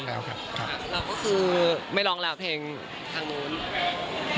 เราก็คือไม่ร้องแล้วเพลงทางนู้น